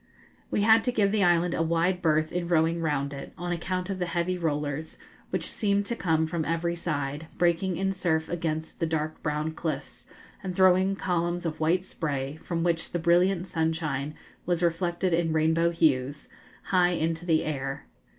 [Illustration: Our Boatman] We had to give the island a wide berth in rowing round it, on account of the heavy rollers, which seemed to come from every side, breaking in surf against the dark brown cliffs, and throwing columns of white spray, from which the brilliant sunshine was reflected in rainbow hues, high into the air.